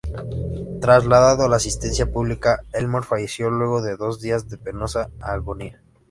Trasladado a la asistencia pública, Elmore falleció luego de dos días de penosa agonía.